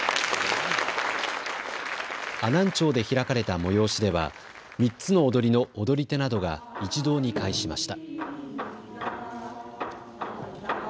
阿南町で開かれた催しでは３つの踊りの踊り手などが一堂に会しました。